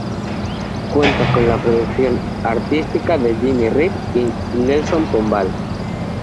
Cuenta con la producción artística de Jimmy Rip y Nelson Pombal.